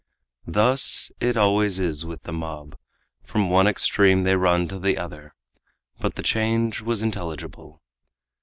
Thus it always is with the mob from one extreme they run to the other. But the change was intelligible.